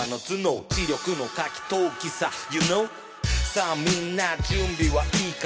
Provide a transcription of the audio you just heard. さあみんな準備はいいか？